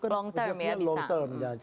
long term ya bisa